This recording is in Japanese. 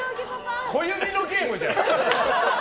小指のゲームじゃん。